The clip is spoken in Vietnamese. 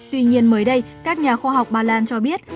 tuy nhiên mới đây các nhà khoa học ba lan cho biết